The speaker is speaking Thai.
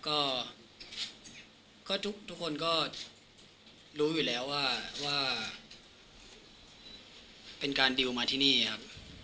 ก็ทุกคนก็รู้อยู่แล้วว่าเป็นการดิวมาที่นี่ครับ